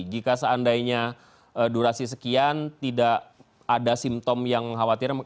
jika seandainya durasi sekian tidak ada simptom yang khawatir